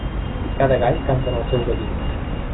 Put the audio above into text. Cada gall canta en el seu galliner.